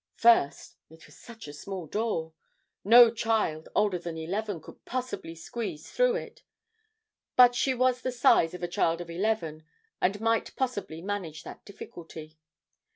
First, it was such a small door! No child older than eleven could possibly squeeze through it. But she was of the size of a child of eleven and might possibly manage that difficulty.